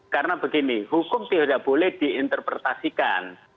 karena begini hukum tidak boleh diinterpretasikan